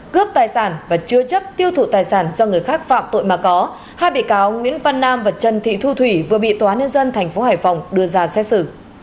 cướp tài sản và chứa chấp tiêu thụ tài sản do người khác phạm tội mà có hai bị cáo nguyễn văn nam và trần thị thu thủy vừa bị tòa nhân dân tp hải phòng đưa ra xét xử